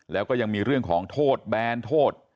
แล้วก็ยังมีเรื่องของโทษแบนโทษ